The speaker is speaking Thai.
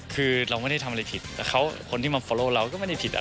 คือเราไม่ได้ทำอะไรผิด